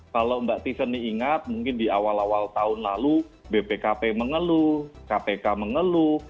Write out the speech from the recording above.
kalau mbak tiffany ingat mungkin di awal awal tahun lalu bpkp mengeluh kpk mengeluh